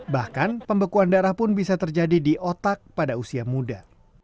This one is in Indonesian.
bahkan pembekuan darah pun bisa terjadi di otak pada usia muda